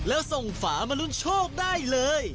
แล้วส่งฝามาลุ้นโชคได้เลย